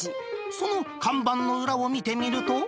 その看板の裏を見てみると。